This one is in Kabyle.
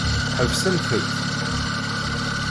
Ḥebsent-tt.